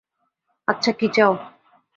আচ্ছা, কী চাও?